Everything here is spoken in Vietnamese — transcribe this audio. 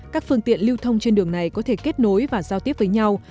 các phương tiện lưu thông trên đường này có thể kết nối và giao tiếp với nhau